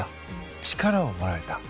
力をもらえた。